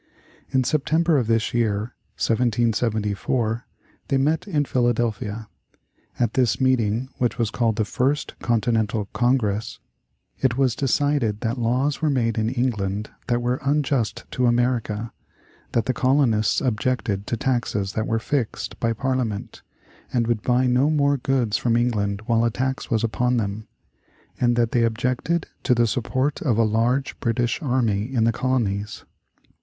In September of this year (1774) they met in Philadelphia. At this meeting, which was called the First Continental Congress, it was decided that laws were made in England that were unjust to America, that the colonists objected to taxes that were fixed by Parliament and would buy no more goods from England while a tax was upon them; and that they objected to the support of a large British army in the colonies.